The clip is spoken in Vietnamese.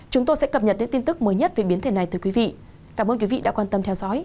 chúng tôi sẽ cập nhật những tin tức mới nhất về biến thể này từ quý vị cảm ơn quý vị đã quan tâm theo dõi